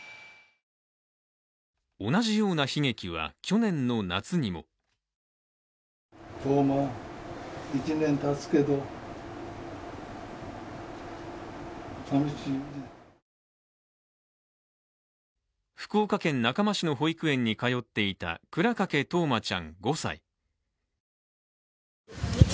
同じような悲劇は去年の夏にも福岡県中間市の保育園に通っていた倉掛冬生ちゃん５歳。